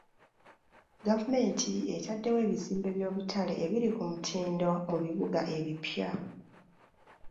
Gavumenti etaddewo ebizimbe by'obutale ebiri ku mutindo mu bibuga ebipya.